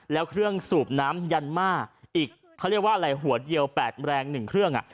แล้วเครื่องสูบน้ำยันม่าอีกเขาเรียกว่าอะไรหัวเดียว๘แรง๑เครื่อง